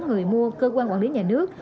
người mua cơ quan quản lý nhà nước